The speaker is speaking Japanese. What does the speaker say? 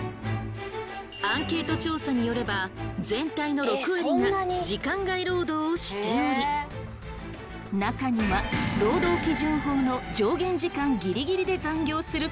アンケート調査によれば全体の６割が時間外労働をしており中には労働基準法の上限時間ギリギリで残業する看護師も！